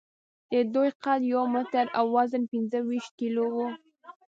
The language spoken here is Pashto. د دوی قد یو متر او وزن پینځهویشت کیلو و.